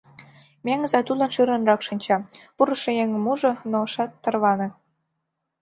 Меҥыза тудлан шӧрынрак шинча, пурышо еҥым ужо, но ышат тарване.